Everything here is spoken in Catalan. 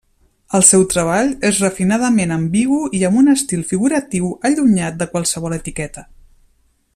El seu treball és refinadament ambigu i amb un estil figuratiu allunyat de qualsevol etiqueta.